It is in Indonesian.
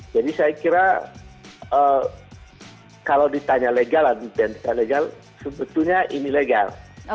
jadi saya kira kalau ditanya legal atau tidak legal sebetulnya ini legal